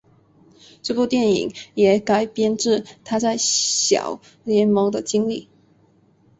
这部电影也改编自他在小联盟的经历。